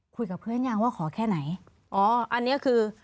คุยกับเพื่อนยังว่าขอแค่ไหนอ๋ออันนี้คือ